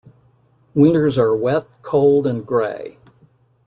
Winters are wet, cold and grey.